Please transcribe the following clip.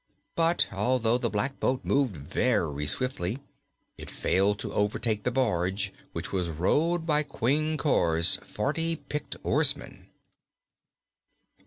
But, although the black boat moved very swiftly, it failed to overtake the barge which was rowed by Queen Cor's forty picked oarsmen.